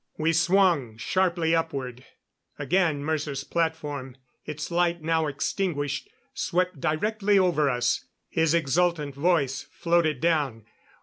We swung sharply upward. Again Mercer's platform its light now extinguished swept directly over us. His exultant voice floated down.